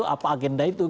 apa agenda itu